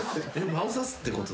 間をさすってこと。